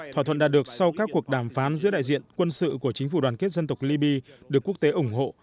thỏa thuận đạt được sau các cuộc đàm phán giữa đại diện quân sự của chính phủ đoàn kết dân tộc liby được quốc tế ủng hộ